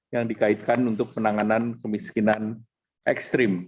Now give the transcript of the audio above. yang dikaitkan untuk penanganan kemiskinan ekstrim